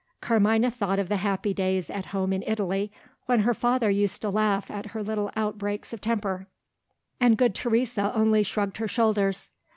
Carmina thought of the happy days at home in Italy, when her father used to laugh at her little outbreaks of temper, and good Teresa only shrugged her shoulders.